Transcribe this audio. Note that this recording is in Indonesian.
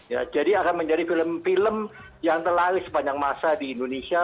ya jadi akan menjadi film film yang terlaris sepanjang masa di indonesia